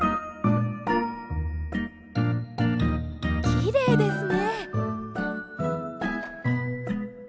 きれいですね。